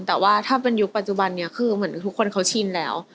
แต่ว่าถ้าเป็นยุคปัจจุบันนี้คือเหมือนทุกคนเขาชินแล้ว